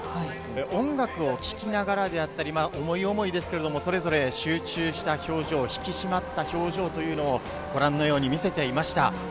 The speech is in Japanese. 音楽を聴きながらであったり、思い思いですけれども、それぞれ集中した表情、引き締まった表情というのをご覧のように見せていました。